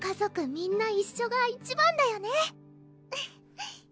みんな一緒が一番だよね